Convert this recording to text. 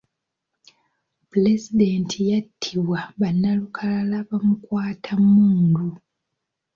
Pulezidenti yattibwa bannalukalala bamukwatammundu.